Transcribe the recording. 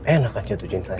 enak kan jatuh cinta